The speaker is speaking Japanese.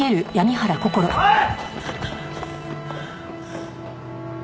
おい！